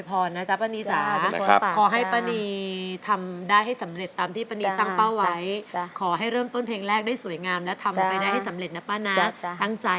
แปะอามิตามไปได้ให้สำเร็จนะป้านะอ์ใจและมีสมาธินะจ๊ะ